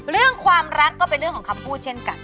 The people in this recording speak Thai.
เรื่องความรักก็เป็นเรื่องของคำพูดเช่นกัน